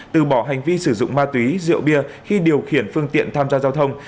từ bỏ hành vi sử dụng ma túy rượu bia khi điều khiển phương tiện tham gia giao thông